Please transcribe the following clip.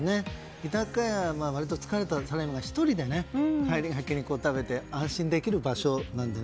日高屋、割と疲れたら１人でね、帰りがけに食べて安心できる場所なんでね。